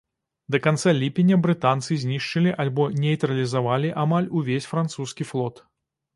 Да канца ліпеня брытанцы знішчылі альбо нейтралізавалі амаль увесь французскі флот.